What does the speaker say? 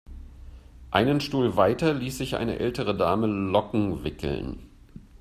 Einen Stuhl weiter ließ sich eine ältere Dame Locken wickeln.